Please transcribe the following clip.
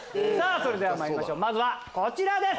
それではまいりましょうまずはこちらです！